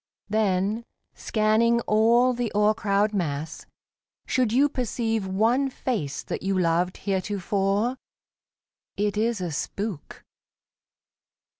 Then, scanning all the o'ercrowded mass, should you Perceive one face that you loved heretofore, It is a spook.